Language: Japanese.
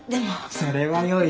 それはよい。